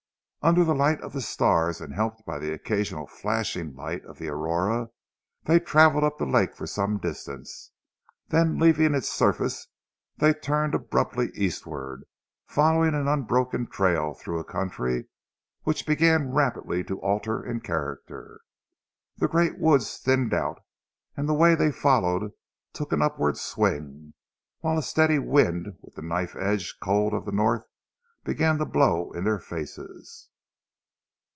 Under the light of the stars, and helped by the occasional flashing light of the aurora, they travelled up the lake for some distance, then leaving its surface they turned abruptly eastward, following an unbroken trail through a country which began rapidly to alter in character. The great woods thinned out and the way they followed took an upward swing, whilst a steady wind with the knife edge cold of the North began to blow in their faces.